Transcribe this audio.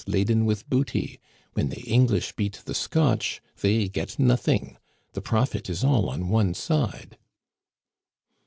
laden with booty; when the English beat the Scotch, they get nothing. The profit is all on one side."